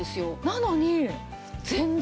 なのに全然。